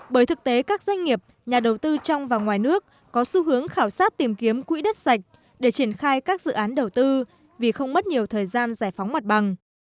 bởi thực tế các doanh nghiệp nhà đầu tư trong và ngoài nước có xu hướng khảo sát tìm kiếm quỹ đất sạch để triển khai các dự án đầu tư vì không mất nhiều thời gian giải phóng mặt bằng